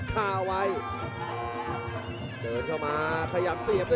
ชาเลน์